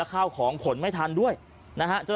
ข้าวของขนไม่ทันด้วยนะฮะ